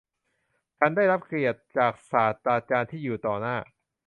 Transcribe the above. ฉันได้รับเกียรติจากศาสตราจารย์ที่อยู่ต่อหน้า